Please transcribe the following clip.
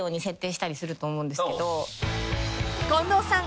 ［近藤さん